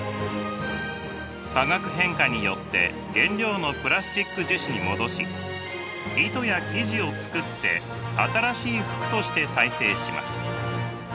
化学変化によって原料のプラスチック樹脂に戻し糸や生地を作って新しい服として再生します。